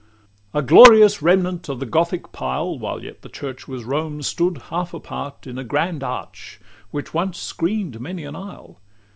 LIX A glorious remnant of the Gothic pile (While yet the church was Rome's) stood half apart In a grand arch, which once screen'd many an aisle.